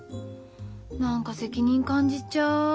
何か責任感じちゃう。